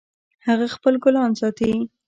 هغه خپل ګلان ساتي